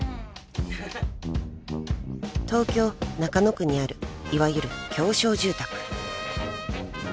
［東京中野区にあるいわゆる狭小住宅］